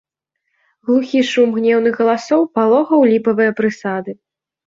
Глухі шум гнеўных галасоў палохаў ліпавыя прысады.